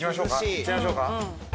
いっちゃいましょうか。